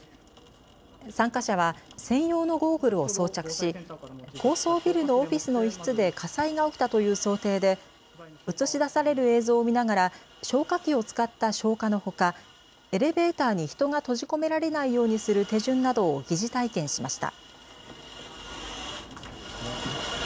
参加者は専用のゴーグルを装着し高層ビルのオフィスの一室で火災が起きたという想定で映し出される映像を見ながら消火器を使った消火のほかエレベーターに人が閉じ込められないようにする手順などを疑似体験しました。